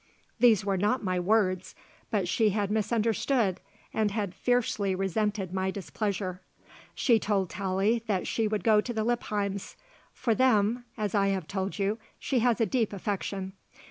These were not my words; but she had misunderstood and had fiercely resented my displeasure. She told Tallie that she would go to the Lippheims, for them, as I have told you, she has a deep affection.